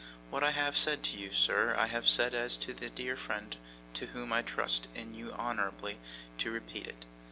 What I have said to you, sir, I have said as to that dear friend to whom I trust in you honourably to repeat it.